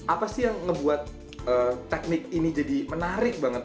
apa sih yang ngebuat teknik ini jadi menarik banget